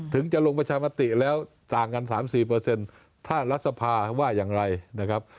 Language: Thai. ถึงจะลงประชามติแล้วต่างกัน๓๔ถ้ารัฐสภาว่าอย่างไรนะครับ